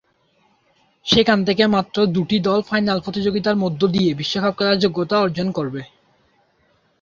সেখান থেকে মাত্র দুটি দল ফাইনাল প্রতিযোগিতার মধ্যদিয়ে বিশ্বকাপ খেলার যোগ্যতা অর্জন করবে।